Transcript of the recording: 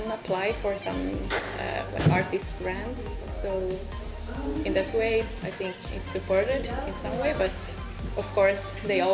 tapi tentu saja mereka selalu membutuhkan lebih banyak dukungan